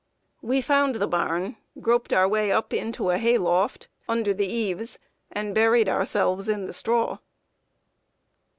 We found the barn, groped our way up into a hay loft, under the eaves, and buried ourselves in the straw.